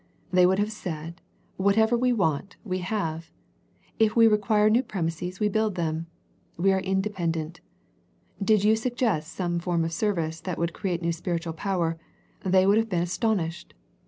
They would have said. Whatever we want, we have. If we require new premises, we build them. We are inde pendent. Did you suggest some form of serv ice that would create new spiritual power, they would have been astonished.